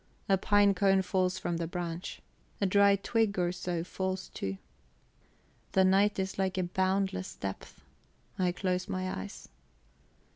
A pine cone falls from the branch; a dry twig or so falls too. The night is like a boundless depth. I close my eyes.